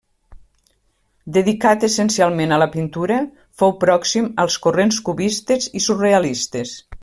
Dedicat essencialment a la pintura, fou pròxim als corrents cubistes i surrealistes.